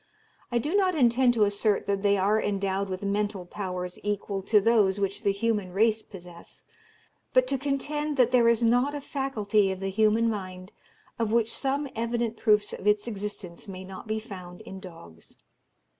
I do not intend to assert that they are endowed with mental powers equal to those which the human race possess, but to contend that there is not a faculty of the human mind of which some evident proofs of its existence may not be found in dogs.